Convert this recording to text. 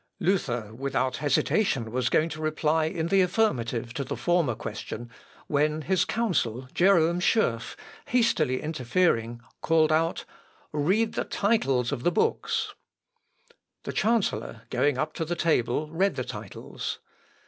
Luther, without hesitation, was going to reply in the affirmative to the former question, when his counsel, Jerôme Schurff, hastily interfering, called out, "Read the titles of the books." The chancellor going up to the table read the titles.